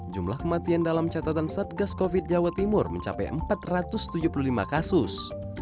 jumlah kematian dalam catatan satgas covid jawa timur mencapai empat ratus tujuh puluh lima kasus